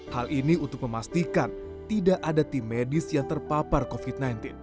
hal ini untuk memastikan tidak ada tim medis yang terpapar covid sembilan belas